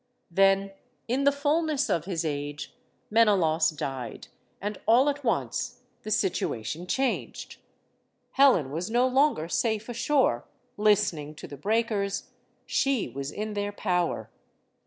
Then, in the fullness of his age, Menelaus died, and all at once the situation changed. Helen was no longer safe ashore, listening to the breakers; she was in their power.